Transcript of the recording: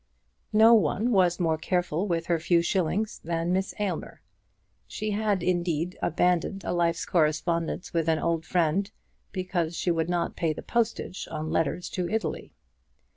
No one was more careful with her few shillings than Miss Aylmer. She had, indeed, abandoned a life's correspondence with an old friend because she would not pay the postage on letters to Italy.